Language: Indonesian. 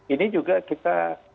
ini juga kita